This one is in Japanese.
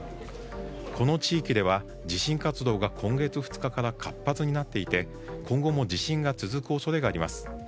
この地域では地震活動が今月２日から活発になっていて、今後も地震が続く恐れがあります。